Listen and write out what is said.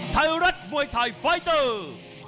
ไทยรัฐมวยไทยไฟเตอร์